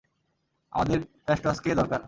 আমাদের ফ্যাসটসকে দরকার!